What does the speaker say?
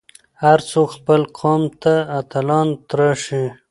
هر څوک خپل قوم ته اتلان تراشي.